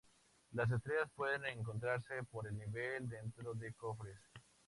Las estrellas pueden encontrarse por el nivel dentro de cofres.